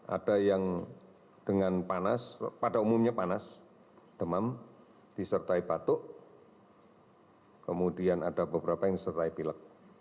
ada yang dengan panas pada umumnya panas demam disertai batuk kemudian ada beberapa yang disertai pilek